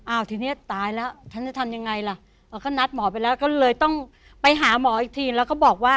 ทีเนี้ยตายแล้วฉันจะทำยังไงล่ะก็นัดหมอไปแล้วก็เลยต้องไปหาหมออีกทีแล้วก็บอกว่า